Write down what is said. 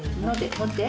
持って。